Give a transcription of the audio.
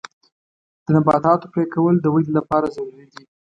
د نباتاتو پرې کول د ودې لپاره ضروري دي.